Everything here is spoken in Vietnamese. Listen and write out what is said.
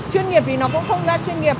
chuyên nghiệp thì nó cũng không ra chuyên nghiệp